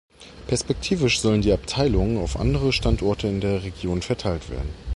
Perspektivisch sollen die Abteilungen auf andere Standorte in der Region verteilt werden.